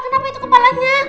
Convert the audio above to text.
kenapa itu kepalanya